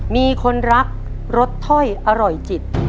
มีคนรักรสถ้อยอร่อยจิต